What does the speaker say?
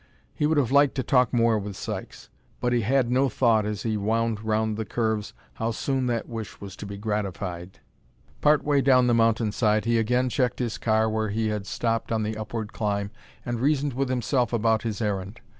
He would have liked to talk more with Sykes. But he had no thought as he wound round the curves how soon that wish was to be gratified. Part way down the mountainside he again checked his car where he had stopped on the upward climb and reasoned with himself about his errand.